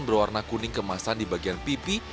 berwarna kuning kemasan di bagian pipi